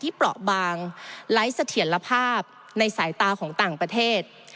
เปราะบางไร้เสถียรภาพในสายตาของต่างประเทศ